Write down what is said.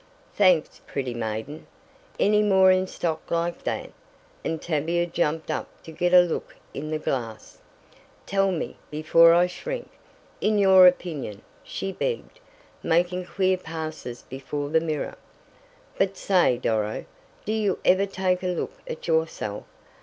"Thanks, pretty maiden. Any more in stock like that?" and Tavia jumped up to get a look in the glass. "Tell me, before I shrink in your opinion," she begged, making queer passes before the mirror. "But say, Doro, do you ever take a look at yourself?